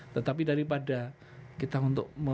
tetapi daripada kita untuk